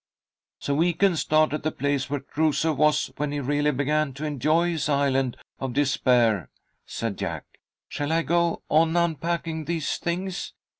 "So we can start at the place where Crusoe was when he really began to enjoy his Island of Despair," said Jack. "Shall I go on unpacking these things?